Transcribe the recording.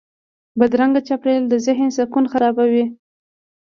بدرنګه چاپېریال د ذهن سکون خرابوي